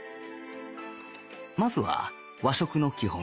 まずは和食の基本